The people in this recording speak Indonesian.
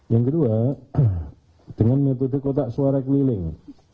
yang kedua dengan metode kotak suara keliling